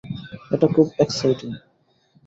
এটা খুব এক্সাইটিং!